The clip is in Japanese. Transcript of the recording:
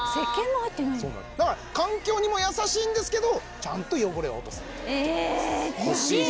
環境にも優しいんですけどちゃんと汚れは落とす